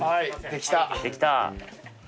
できた。